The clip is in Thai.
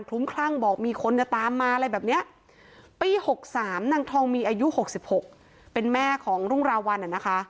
้มคลั่งบอกมีคนจะตามมาอะไรแบบนี้ปี๖๓นางทองมีอายุ๖๖เป็นแม่ของรุ่งราวัลน่ะนะคะ